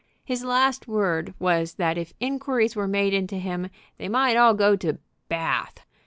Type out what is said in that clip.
His last word was that if inquiries were made into him they might all go to Bath!